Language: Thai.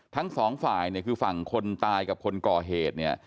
ทั้งสองฝ่ายเนี่ยคือฝั่งคนตายกับคนก่อเหตุเนี่ย